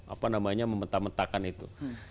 apa namanya memeta metakan itu